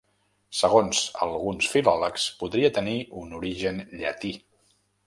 Segons alguns filòlegs podria tenir un origen llatí.